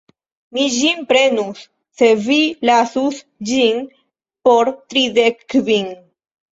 Mi ĝin prenus se vi lasus ĝin por tridek kvin.